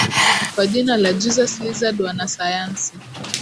kwa jina la Jesus Lizard wana sayansi